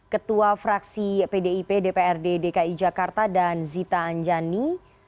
ketua fraksi pdip sembilan puluh tiga 'ad kapademi dki jakarta dan zita anjani